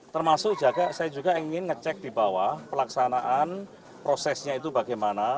termasuk juga saya juga ingin ngecek di bawah pelaksanaan prosesnya itu bagaimana